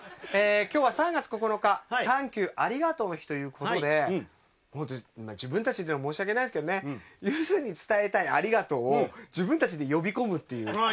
今日は３月９日、サンキューありがとうの日ということで自分たちで言うのも申し訳ないですけど「ゆずに伝えたいありがとう」を自分たちで呼び込むっていう。